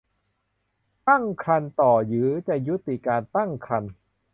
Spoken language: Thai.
ตั้งครรภ์ต่อหรือจะยุติการตั้งครรภ์